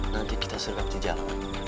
nanti kita sergap di jalan